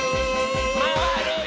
まわるよ。